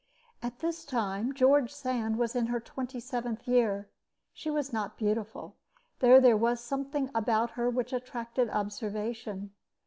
At this time, George Sand was in her twenty seventh year. She was not beautiful, though there was something about her which attracted observation.